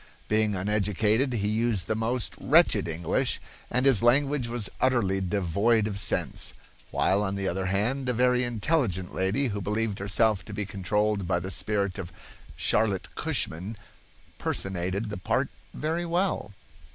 Being uneducated, he used the most wretched English, and his language was utterly devoid of sense. While, on the other hand, a very intelligent lady who believed herself to be controlled by the spirit of Charlotte Cushman personated the part very well."